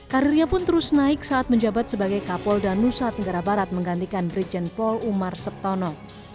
karirnya pun terus naik saat menjabat sebagai kapolda nusa tenggara barat menggantikan brigjen paul umar septono